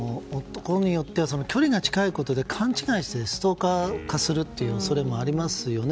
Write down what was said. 距離が近いことで勘違いしてストーカー化する恐れもありますよね。